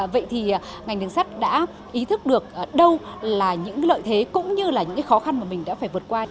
vậy thì ngành đường sắt đã ý thức được đâu là những lợi thế cũng như là những khó khăn mà mình đã phải vượt qua